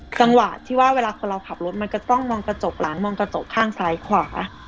สัมผัสที่ว่าเวลาคุณเราขับรถมาก็ต้องมองกระจกข้างซ้ายขวา